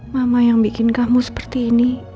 mama yang bikin kamu seperti ini